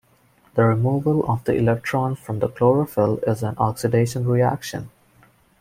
The removal of the electron from the chlorophyll is an oxidation reaction.